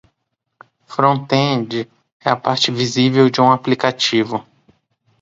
Front-end é a parte visível de um aplicativo.